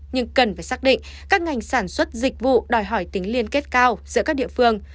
nhưng cần phải xác định các ngành sản xuất dịch vụ đòi hỏi tính liên kết cao giữa các địa phương